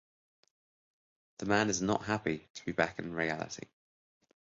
The man is not happy to be back in reality.